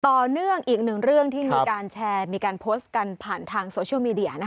ต่อเนื่องอีกหนึ่งเรื่องที่มีการแชร์มีการโพสต์กันผ่านทางโซเชียลมีเดีย